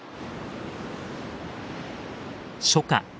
初夏。